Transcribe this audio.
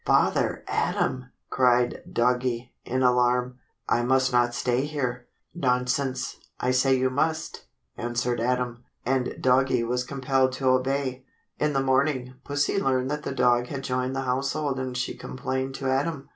"Father Adam!" cried Doggie, in alarm. "I must not stay here." "Nonsense. I say you must," answered Adam, and Doggie was compelled to obey. In the morning, Pussie learned that the dog had joined the household and she complained to Adam.